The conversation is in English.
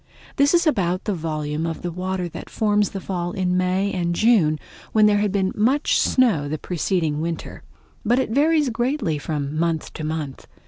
This is about the volume of water that forms the Fall in May and June when there had been much snow the preceding winter; but it varies greatly from month to month.